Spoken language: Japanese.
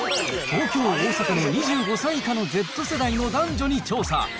東京、大阪の２５歳以下のＺ世代の男女に調査。